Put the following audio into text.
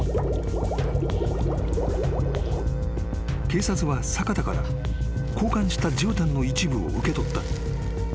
［警察は坂田から交換したじゅうたんの一部を受け取った］